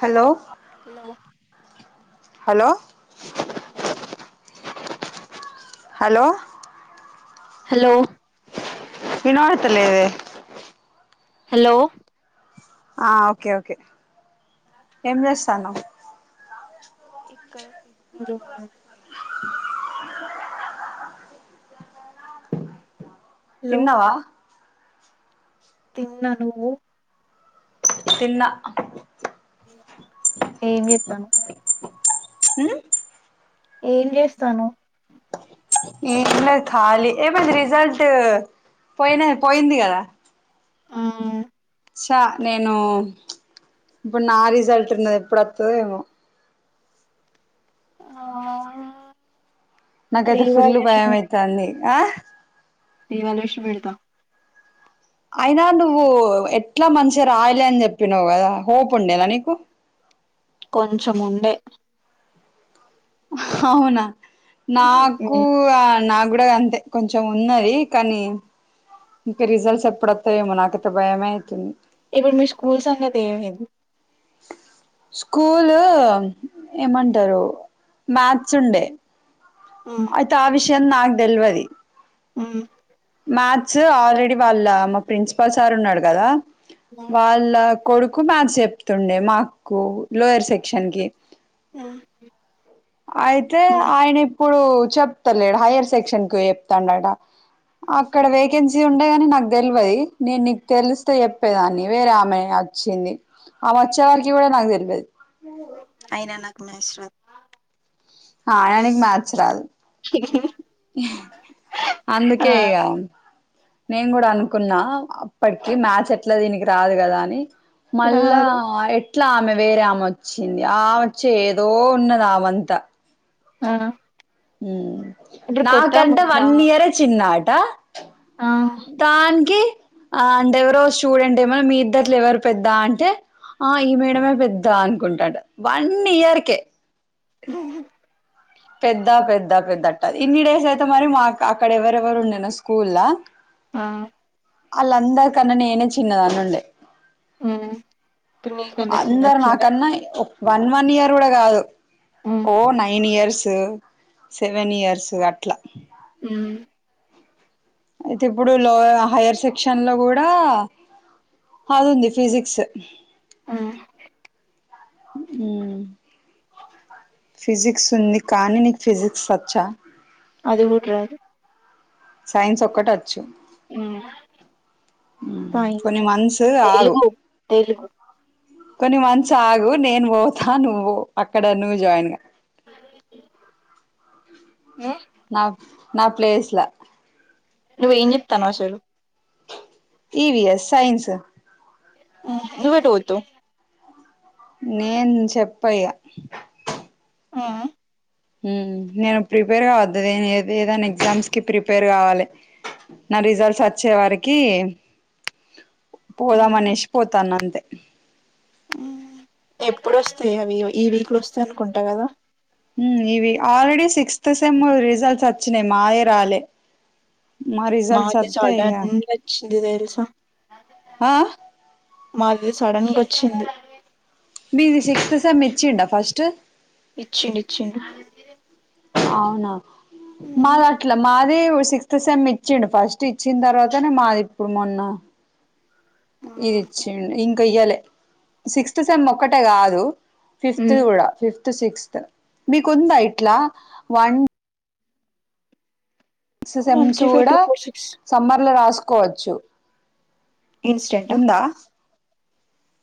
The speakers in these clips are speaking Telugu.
Hello hello hello hello hello hello ఇనపడతలేదే హలో ఆ ఓకే ఓకే ఏం చేస్తానవు ఇక్కడ సిగ్నల్ ఉండదు హలో తిన్నావా తిన్నా నువ్వు తిన్నా ఏమ్ ఉమ్ ఏం చేస్తానవ్ ఏం లే ఖాళీ ఏమైంది రిజల్ట్ పోయిన పోయింది కదా ఉమ్ చ నేను ఇప్పుడు నా రిజల్ట్ ఉన్నది ఎప్పుడు వతదో ఏమో ఆ నాకైతే ఫుల్ భయం అయితాంది రివల్యూషన్ పెడతా అయినా నువ్వు ఎట్లా మంచిగా రాయలే అని చెప్పినావు కదా హోప్ ఉండేలా నీకు కొంచెం ఉండే అవునా నాకు నాకు కూడా అంతే కొంచెం ఉన్నది కానీ ఇంకా రిజల్ట్స్ ఎప్పుడతాయే ఏమో నాకతే భయమే అవుతుంది ఇప్పుడు మీ స్కూల్ సంగతి ఏమైంది స్కూల్ ఏమంటారు మాత్స్ ఉండే ఆ అయితే ఆ విషయం నాకు తెెలివది ఉమ్ మ్యాథ్స్ ఆల్రెడీ వాళ్ళ మా ప్రిన్సిపల్ సార్ ఉన్నాడు కదా వాళ్ళ కొడుకు మ్యాథ్స్ చెప్తుండే మాకు లోయర్ సెక్షన్కి ఉమ్ అయితే ఆయన ఇప్పుడు చెప్తలేడు హైయర్ సెక్షన్ కి చెప్తాన్నట అక్కడ వేకెన్సీ ఉండేగాని నాకు తెల్వదీ నేను నీకు తెలిస్తే చెప్పేదాన్ని వేరే ఆమె వచ్చింది ఆ వచ్చే వారికి కూడా నాకు తెల్వదీ అయినా నాకు మ్యాథ్స్ రాదు ఆయన నిక్ మ్యాథచ్ రాదు ఆ అందుకే ఇగ నేను కూడా అనుకున్నా అప్పటికి మ్యాచ్ ఎట్లా దీనికి రాదు కదా అని మళ్ళా రాదు ఎ ఇట్లా ఆమె వేరే ఆమె వచ్చింది ఆమె వచ్చే ఏదో ఉన్నది ఆ వంత ఆ ఇప్పుడు కొత్త నాకంటే ఉందా వన్ ఇయర్ చిన్నాట ఆ దానికి ఆ అంట ఎవరో చూడంట్ ఏమన్నా మీ ఇద్దట్లు ఎవరు పెద్దా అంటే ఆ ఈ మేడమే పెద్ద అనుకుంటాడు వన్ ఇయర్కే పెద్ద పెద్ద పెద్ద అట్ట ఇన్ని డేస్ అయితే మరి మా అక్కడ ఎవరెవరు ఉండేనా స్కూల్ ఆ అలందరికన్న నేనే చిన్నదాని ఉండే ఉమ్ అందరు నాకన్నా వన్ వన్ ఇయర్ కూడా కాదు ఉమ్ ఓ నైన్ ఇయర్సు సెవెన్ ఇయర్సు అట్ల ఉమ్ అయితే ఇప్పుడు లో హైయర్ సెక్షన్ లో కూడా అది ఉంది ఫిజిక్స్ ఉం ఉం ఫిజిక్స్ ఉంది కానీ నీకు ఫిజిక్స్ వచ్చా అది కూడా రాదు సైన్స్ ఒక్కటి వచ్చు ఉం సైన్స్ కొన్ని మంత్స్ ఆగు తెలుగు తెలుగు కొన్ని మంత్స్ ఆగు నేను పోతా నువ్వు అక్కడ నువ్వు జాయిన్ గా ఉం నా నా ప్లేస్ల నువ్వ ఏం చెప్తన్నావ్ అసలు ఈవి ఎస్ సైన్స్ ఉం నువ్వు ఎటు పోతావ్ నేను చెప్ప ఇగ ఉం ఉం నేను ప్రిపేర్ గా వద్ద ఏద ఏదైనా ఎగ్జామ్స్ కి ప్రిపేర్ కావాలి నా రిజల్ట్స్ వచ్చే వరికి పోదామనేసి పోతాన అంతే ఉం ఎప్పుడొస్తాయో అవి ఈ వీక్లొ వస్తాయి అనుకుంటా కదా ఉం ఇవి ఆల్రెడీ సిక్స్త్ సేమ్ రిజల్ట్స్ వచ్చినాయి మాయే రాలే మా రిజల్ట్ వత్తే ఇగా ఇది తెలుసు ఆ మాది సడన్ గా వచ్చింది మీది సిక్స్త్ సేమ్ ఇచ్చిండ ఫస్ట్ ఇచ్చిండు ఇచ్చిండు అవునా మాది అట్ల మా అదే సిక్స్త్ సెమ్ ఇచ్చిండు ఫస్ట్ ఇచ్చిన తర్వాతనే మాది ఇప్పుడు మొన్న ఇది ఇచ్చిండు ఇంకా ఇయ్యాలే సిక్స్త్ సెమ్ ఒక్కటే కాదు ఫిఫ్త్ ది కూడా ఫిఫ్త్ సిక్స్త్ మీకుందా ఇట్లా one one sems three five కూడా టూ ఫోర్ సిక్స్ సమ్మర్ లో రాసుకోవచ్చు ఇన్స్టెంటా ఉందా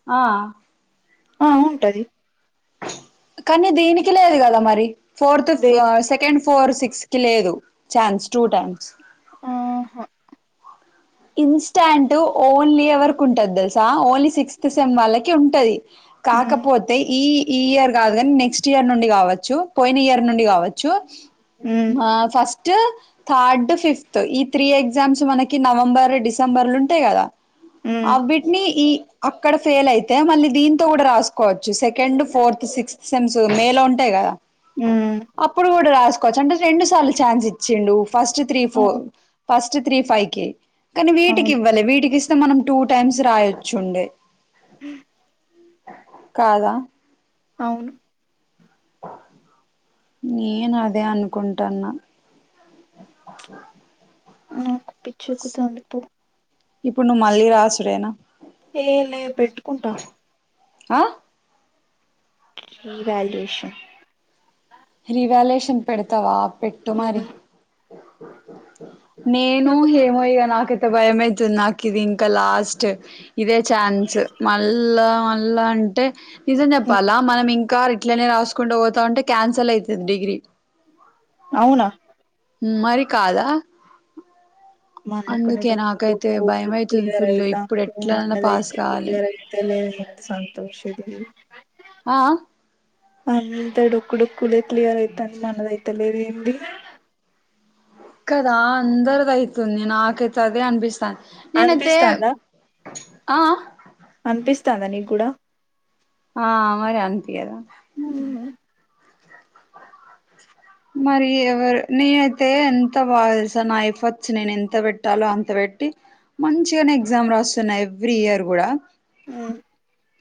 ఆ ఆ ఉంటది కానీ దీనికి లేదు కదా మరి ఫోర్త్ ఆ దేని సెకండ్ ఫోర్ సిక్స్ కి లేదు ఛాన్స్ టూ టైమ్స్ ఆహా [inaudible] ఇన్స్టాంట్ ఓన్లీ ఎవరికి ఉంటది తెలుసా ఓన్లీ సిక్స్త్ సెమ్ వాళ్ళకి ఉంటది ఉమ్ కాకపోతే ఈ ఈ ఇయర్ కాదు కాని నెక్స్ట్ ఇయర్ నుండి కావచ్చు పోయిన ఇయర్ నుండి కావచ్చు ఉమ్ మా ఫస్ట్ ఫస్ట్ థర్డ్ ఫిఫ్త్ ఈ త్రీ ఎగ్జామ్స్ మనకి నవంబర్ డిసెంబర్లు ఉంటాయి కదా అ ఉమ్ విట్ని ఈ అక్కడ ఫెయిల్ అయితే మళ్ళీ దీంతో కూడా రాసుకోవచ్చు సెకండ్ ఫోర్త్ సిక్స్త్ సెమ్స్ మేలో ఉంటాయి కదా ఉమ్ అప్పుడు కూడా రాసు చ్చ అంటే రెండు సార్లు ఛాన్స్ ఇచ్చిండు first three four first three five కి కానీ వీటికి అవును ఇవ్వాలే వీటికి ఇస్తే మనం టూ టైమ్స్ రాయొచ్చుండే హమ్ కాదా అవును నేను అదే అనుకుంటాన్నా ే [unintelligible] నాకు పిచ్చెక్కుతోంది పో ఇప్పుడు నువ్వు మళ్ళీ రాసుడేనా ఏ లే పెట్టుకుంటా ఆ రివాల్యేషన్ రివాల్యేషన్ పెడతావా పెట్టు మరి నేను ఏమయ్యా నాకైతే భయమేతుంది నాకు ఇది ఇంకా లాస్ట్ ఇదే ఛాన్స్ మళ్ళా మళ్ళా అంటే నిజం చెప్పాలా మనం ఇంకా ఇట్లనే రాసుకుంటూ పోతా ఉంటే క్యాన్సల్ అయితది డిగ్రీ అవునా మరి కాదా మన అందుకే నాకైతే కొన్ని భయం అయితుంది క్లియర్ ఫుల్లు ఇప్పుడు అయితాంది ఎట్లాన్నా మనది పాస్ అయితే కావాలె క్లియర్ సంతోష్ ది ఆ అంత డొక్కుడొకుదే క్లియర్ అయితంది మనదైతలేదు ఏంది కదా అందరిది అయితుంది నాకైతే అదే అనిపిస్తాంది నేనైతే అనిపిస్తందా ఆ అనిపిస్తాందా నీక్ కూడా ఆ మరి అనిపియదా ఉమ్ మరి ఎవరు నే అయితే ఎంత బాగా తెలుసా నా ఎఫట్స్ నేను ఎంత పెట్టాలో అంత పెట్టి మంచిగానే ఎగ్జామ్ రాస్తున్నా ఎవ్రీ ఇయర్ కూడా ఉమ్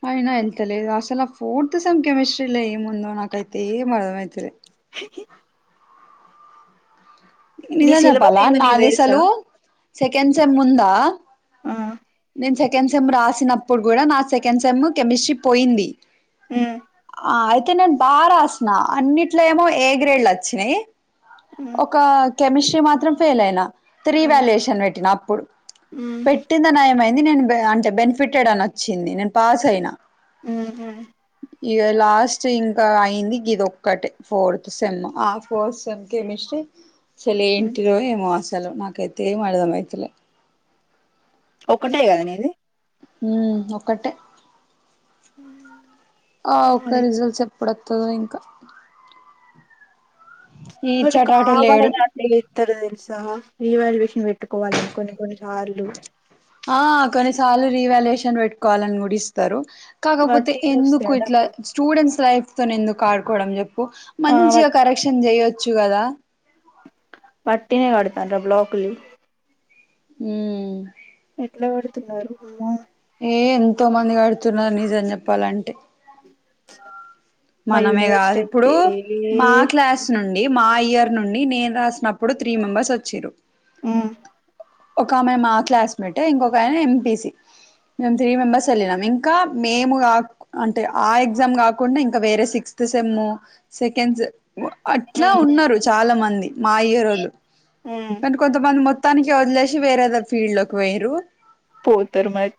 అయినా వెళ్తలేదు ఆసలు ఆ ఫోర్త్ సెమ్ కెమస్ట్రీ లో ఏ ముందు నాకైతే ఏం అర్థమై తలేదు అ నీ నిజం చెప్పాల సిలబస్ ఏందో నీకు నాది తెలుసా అసలు సెకెండ్ సెమ్ ఉందా ఆ నేను సెకండ్ సెమ్ రాసినప్పుడు కూడా నా సెకండ్ సెమ్ కెమిస్ట్రీ పోయింది ఉమ్ ఆ అయితే నేను బా రాస్త అన్నిట్లో ఏమో ఏ గ్రేడ్లు వచ్చినియి ఒక కెమిస్ట్రీ మాత్రం ఫెయిల్ అయినా రివాల్యయేషన్ పెట్టిన అప్పుడు పె పెట్టిందె నయమైంది నేను అంటే బెనిఫిటెడ్ అని వచ్చింది నేను పాస్ అయినా ఇక లాస్ట్ ఇంకా అయింది ఇది ఒక్కటే ఫోర్త్ సెమ్ ఆ ఫోర్ సెమ్ కెమిస్ట్రీ అసలేంటిరో ఏమో అసలు నాకైతే ఏమి అర్థం అయితలే ఒక్కటే కదా నీది ఉమ్ ఒక్కటే ఆ ఒక నాది రిజల్ట్ చెప్ ఎప్పుడొస్తదొ ఇంకా ఇచెటటు లేడు లే ఇతరొ తెలుసా రివాల్యేషన్ పెట్టుకోవాలని కొన్ని కొన్ని సార్లు ఆ కొన్నిసార్లు రివాల్యేషన్ పెట్టుకోవాలని కూడా ఇస్తారు కాకపోతే వట్టిగనే ఎందుకు వస్తాయా ఇట్లా డబ్బులు స్టూడెంట్స్ లైఫ్ తో ఎందుకు ఆడుకోవడం చెప్పు ఆ మంచిగా వట్ కరెక్షన్ చేయొచ్చు కదా వట్టిగానే కడతానార బ్లాక్లు హ ఎట్లా కడుతున్నారు ఏ ఎంతో మంది కడుతున్నారు నిజం చెప్పాలంటే మా మనమే కాదు యూనివర్సిటీ ఇప్పుడు అయితే మా క్లాస్ నుండి మా ఇయర్ నుండి నేను రాసినప్పుడు త్రీ మెంబర్స్ వచ్చిరు ఆ ఒక ఆమె మా క్లాస్మేట్ ఇంకొక ఆయన ఎంపిసి మేము త్రీ మెంబర్స్ వెళ్ళినాం ఇంకా మేము కా అంటే ఆ ఎగ్జామ్ కాకుండా ఇం వేరే సిక్స్త్ సెమ్ము సెకండ్స్ అట్లా ఉమ్ ఉన్నారు చాలా మంది మా ఇయరోలు ఉమ్ కొంతమంది మొత్తానికి వదిలేసి వేరేదో ఫీల్డ్ లోకి వేయిరు పోతారు మరీ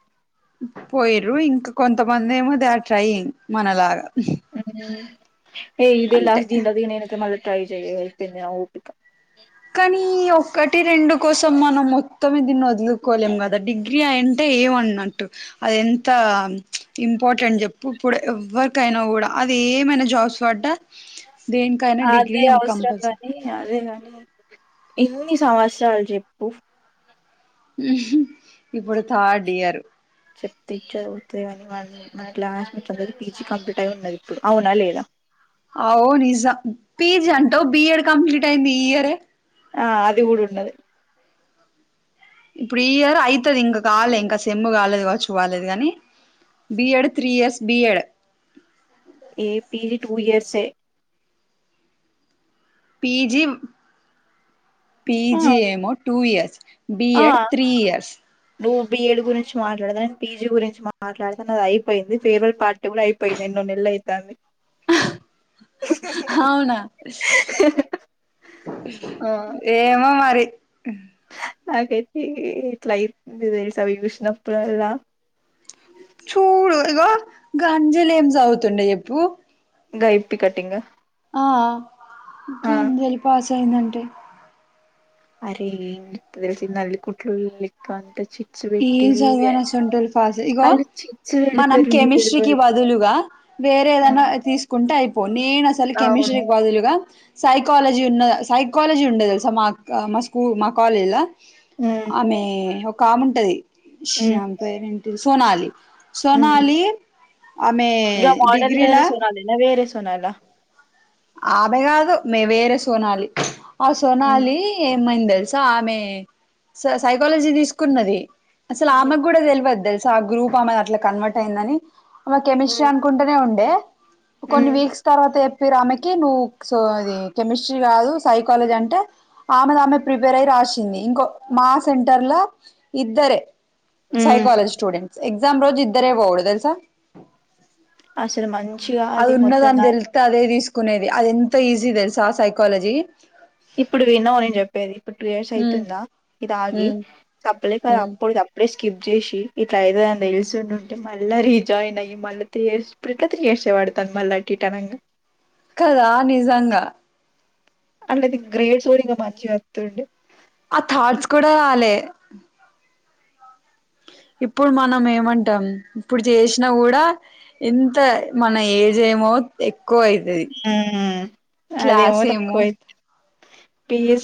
పోయిరు ఇంకా కొంతమంది ఏమో దే ఆర్ ట్రైంగ్ మనలగా ఏ ఇదే లాస్ట్ దీని తర్వాత మల్ల ట్రై చెయ్ అయిపోయింది నా ఓపిక కానీ ఒక్కటి రెండు కోసం మనం మొత్తమే దీన్ని వదులుకోలేం కదా డిగీ గ్రీయ అంటే ఏమన్నట్టు అది ఎంత ఇంపార్టెంట్ చెప్పు ఇప్పుడు ఎవరికైనా కూడా అది ఏమైనా జాబ్స్ వాటా దేని అదే అవసరం కాని అదే కాని ఇన్ని సంవత్సరాలు చెప్పు ఇప్పుడు థర్డ్ ఇయర్ చెప్తి ఇజ్జతి గని వా మనకి మన క్లాస్ మొత్తం లో పీజీ కంప్లీట్ అయి ఉన్నది ఇప్పుడు అవునా లేదా అగో నిజం పీజీ అంటావ్ బిఎడ్ కంప్లీట్ అయింది ఈ ఇయర్ ఏ ఆ అది కూడా ఉన్నది ఇప్పుడు ఈయర్ అయితది ఇంకా కాలే ఇంకా సేమ్ము కాలేదు కావచ్చు వాళ్లది గాని బిఎడ్ త్రీ ఇయర్స్ బిఎడ్ ఏ పీజీ టూ ఇయర్స్ ఏ పీజీ ఆ పీజీ ఏమో టూ ఇయర్స్ బీ ఆ ఎడ్ త్రీ ఇయర్స్ నువ్వు బిఎడ్ గురించి మాట్లాడతా నేను పీజీ గురించి మాట్లాడతాను అది అయిపోయింది ఫేర్వెల్ పార్ట్ కూడా అయిపోయింది ఏన్నో నెలలు అయితంది ఆ అవునా ఆ! ఏమో మరి నాకైతే ఇట్ల అయితుంది తెలుసా అవి చూసినప్పుడల్ల చూడు ఇగో గా అంజలి ఏం సాదువుతుండే చెప్పు గా ఇప్పి కటింగా ఆ గా అంజలి పాస్ అయిందంటే అరే ఏం ఇంత తెలిసిందే నల్లికుట్లోనీ లెక్క అంత చి ఏం సద్వర్ అసంటోళ్లు ఫాస్ ఇగో వాళ్ళు చిట్స్ మనం పెడతారు నీకు కెమిస్ట్రీ కి తెల్వదు బదులుగా వేరే ఏదైనా హ్మ్. తీసుకుంటే అయిపోదు నేను అసలు కెమిస్ట్రీ అవును కి బదులుగా సైకాలజీ ఉన్న సైకాలజీ ఉండే తెలుసా మా మా స్కూ మా కాలేజీల ఉమ్ ఆమె ఒక ఆముంటది ఉమ్ ఆమె పేరు ఏంటి సోనాలి ఉమ్ సోనాలి ఆమె డిగ్రీల నా వేరే సోనాల ఆమె కాదు మే వేరే సోనాలి ఆ ఉమ్ సోనాలి ఏమైంది తెలుసా ఆమె స సైకాలజీ తీసుకున్నది అసలు ఉమ్ ఆమెకు కూడా తెలువదు తెలుసా ఆ గ్రూప్ ఆమెది అట్ల కన్వర్ట్ అయిందాని ఆమె ఉమ్ కెమిస్ట్రీ అను కుంటునే ఉండే కొన్ని ఉమ్ వీక్స్ తర్వాత చెప్పిర్రు ఆమె కి నువ్వు సో అది కెమిస్ట్రీ కాదు సైకాలజీ అంటే ఆమెది ఆమె ప్రిపేర్ అయి రాసింది ఇంకో మా సెంటర్లో ఇద్దరే ఉమ్ సైకాలజీ స్టూడెంట్స్ ఎగ్జామ్ రోజు ఇద్దరే పోవుడు తెలుసా అసలు మంచిగా అది మొత్తం ఉన్నదని దా తెలితే అదే తీసు కునేది అది ఎంతా ఈజీ తెలుసా సైకాలజీ ఇప్పుడు విన్నావా నేను చెప్పేది ఇప్పుడు టూ ఇయర్స్ ఉమ్ అయితుందా ఇది అగి ఉమ్ తప్పలేక ఉమ్ అప్పుడు త ఇప్పుడే స్కిప్ చేసి ఇట్ల అయితదని తెలుసుండుంటే మళ్ళా రీజాయిన్ అయ్యి మళ్ళ త్రీ ఇయర్స్ ప్రీపథింగ్ చేసేవాడు తను మల్ల అటు ఇటు అనంగా కదా నిజంగా అంటే అది గ్రేడ్స్ ఒడిగా మార్చి వత్తుండే ఆ థాట్స్ కూడా రాలే ఇప్పుడు మనం ఏమంటం ఇప్పుడు జేసినా కూడా ఎంత మన ఏజ్ ఏమో ఎక్కువయి ఉమ్మ్ అదేమో ఏమో తక్కువయి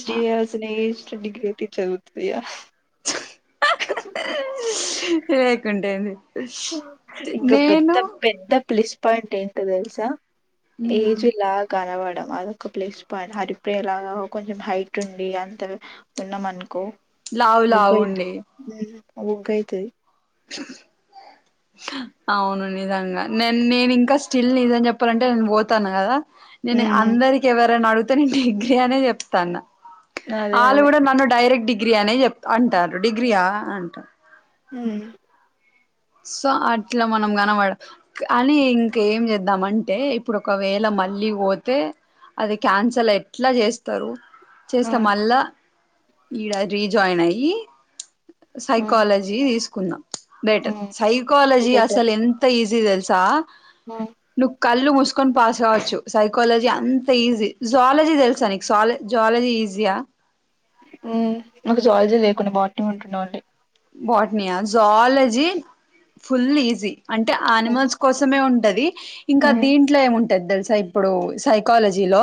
చ స్నేష్ట్ డిగ్రీ ఐటి చదువుతుదియా లేకుంటే ఏంది ఇంకా పెద్ద పెద్ద ప్లస్ పాయింట్ ఎంటో తెలుసా ఉమ్ ఏజ్‌లా కనపడం అదొక ప్లేస్ పాయింట్ హరిప్రియ లాగా కొంచెం హైట్ ఉండి అంత ఉన్నామనుకో లావు లావు ఉండి ఉమ్మ్ ఓంకైతది అవును నిజంగా నేన్ నేను ఇంకా స్టిల్ నిజం చెప్పాలంటే నేను పోతాను కదా నేను మ్మ్ అందరికి ఎవరన్నా అడుగితే నేను డిగ్రీ అనే చెప్తాన్న అదే ఆళ్ళు అదే కూడా నన్ను డైరెక్ట్ డిగ్రీ అనే చెప్ అంటారు డిగ్రీయా అంటా ఉమ్మ్ సో అట్లా మనం కనపడ అని ఇంకా ఏం చేద్దాం అంటే ఇప్పుడు ఒకవేళ మళ్ళీ పోతే అది క్యాన్సల్ ఎట్ల చేస్తారు ఆ చేస్తే మళ్ళా ఈడ రీజాయిన్ అయ్యి ఆ సైకాలజీ తీసుకున్న ఆ బెటర్ సైకాలజీ అసలు ఎంత ఈజీ తెల్సా ఆ నువ్వు కళ్ళు మూసుకొని పాస్ కావచ్చు సైకాలజీ అంతా ఈజీ జువాలజీ తెలుసా నీ స్వాల జువాలజీ ఈజీయా ఉమ్మ్ నాకు జూవాలజీ లేకుండే బట్నీ ఉంటుండే ఆల్రెడీ బాట్నియా జువాలజీ ఫుల్ ఈజీ అంటే అనిమల్స్ కోసమే ఉంటది ఇంకా మ్మ్ దీంట్లో ఏముంటది తెలుసా ఇప్పుడు సైకాలజీలో